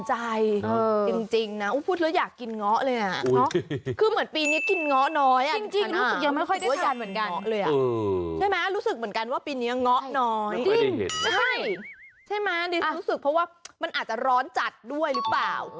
ใช่ใช่ไหมดิฉันรู้สึกเพราะว่ามันอาจจะร้อนจัดด้วยหรือเปล่า